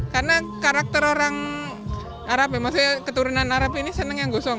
karena karakter orang arab maksudnya keturunan arab ini seneng yang gosong